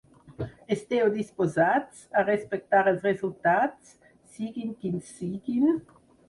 Esteu disposats a respectar els resultats, siguin quins siguin?